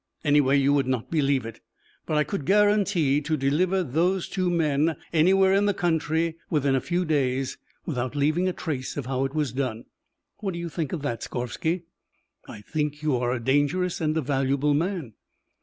Anyway, you would not believe it. But I could guarantee to deliver those two men anywhere in the country within a few days without leaving a trace of how it was done. What do you think of that, Skorvsky?" "I think you are a dangerous and a valuable man."